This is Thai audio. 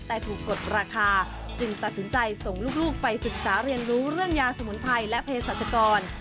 แต่ถูกกดราคาจึงตัดสินใจส่งลูกไปศึกษาเรียนรู้เรื่องยาสมุนไพรและเพศรัชกร